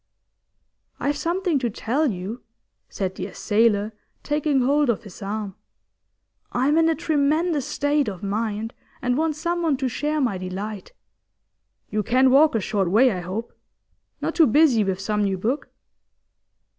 'I've something to tell you,' said the assailer, taking hold of his arm. 'I'm in a tremendous state of mind, and want someone to share my delight. You can walk a short way, I hope? Not too busy with some new book?